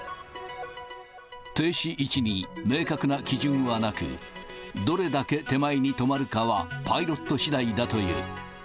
停止位置に明確な基準はなく、どれだけ手前に止まるかはパイロットしだいだという。